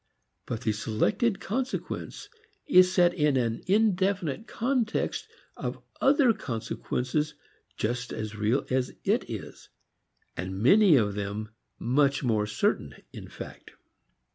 But the selected consequence is set in an indefinite context of other consequences just as real as it is, and many of them much more certain in fact.